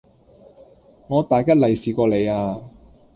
我大吉利是過你呀!